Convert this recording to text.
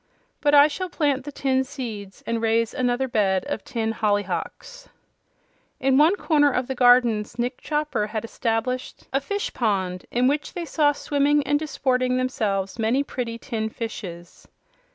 But I shall plant the tin seeds and raise another bed of tin hollyhocks." In one corner of the gardens Nick Chopper had established a fish pond in which they saw swimming and disporting themselves many pretty tin fishes.